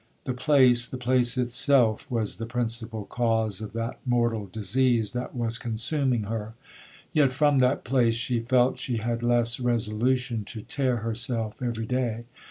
The place—the place itself, was the principal cause of that mortal disease that was consuming her; yet from that place she felt she had less resolution to tear herself every day.